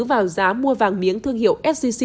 vào giá mua vàng miếng thương hiệu sgc